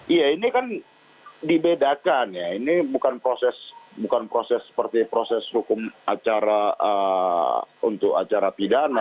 iya ini kan dibedakan ya ini bukan proses bukan proses seperti proses hukum acara untuk acara pidana